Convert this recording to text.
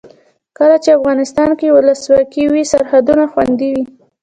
کله چې افغانستان کې ولسواکي وي سرحدونه خوندي وي.